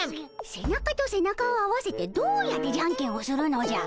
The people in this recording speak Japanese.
背中と背中を合わせてどうやってじゃんけんをするのじゃ。